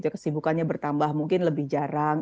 kesibukannya bertambah mungkin lebih jarang